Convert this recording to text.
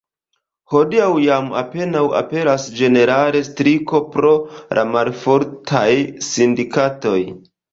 Hodiaŭ jam apenaŭ aperas ĝenerala striko pro la malfortaj sindikatoj.